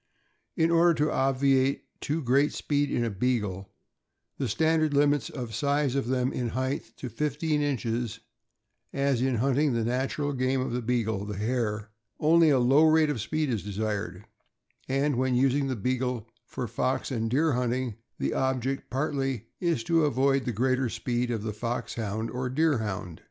In order to obviate too great speed" in a Beagle, the standard limits the size of them in height to fifteen inches, as, in hunting the natural game of the Beagle, the hare, only a low rate of speed is desired, and when using the Beagle for fox and deer hunting the object, partly, is to avoid the greater speed of the Foxhound or Deerhound.